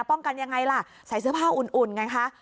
กันยังไงล่ะใส่เสื้อผ้าอุ่นไงคะ